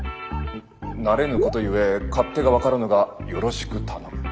慣れぬことゆえ勝手が分からぬがよろしく頼む。